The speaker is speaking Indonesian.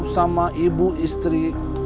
sama ibu istri